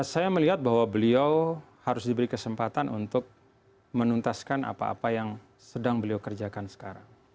saya melihat bahwa beliau harus diberi kesempatan untuk menuntaskan apa apa yang sedang beliau kerjakan sekarang